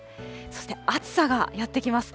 そして暑さがやって来ます。